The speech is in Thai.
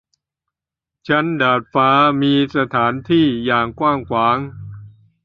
ชั้นดาดฟ้า มีสถานที่อย่างกว้างขวาง